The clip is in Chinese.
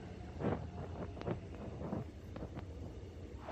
须藤良太是千明和义的青梅竹马。